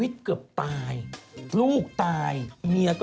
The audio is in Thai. พี่ปุ้ยลูกโตแล้ว